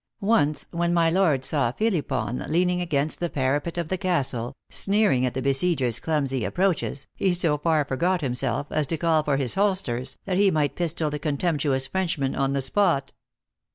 Once, when my Lord saw Philipon leaning against the parapet of the castle, sneering at the besieger s clumsy approaches, he so far forgot himself, as to call for his holsters, that he might pistol the contemptuous Frenchmen on the spot."